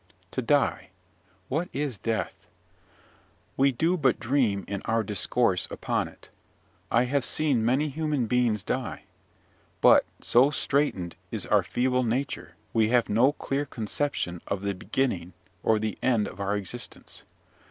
To die! what is death? We do but dream in our discourse upon it. I have seen many human beings die; but, so straitened is our feeble nature, we have no clear conception of the beginning or the end of our existence.